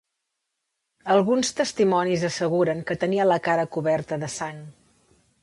Alguns testimonis asseguren que tenia la cara coberta de sang.